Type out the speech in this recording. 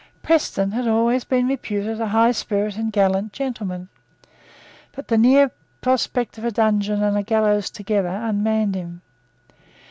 Preston had always been reputed a highspirited and gallant gentleman; but the near prospect of a dungeon and a gallows altogether unmanned him.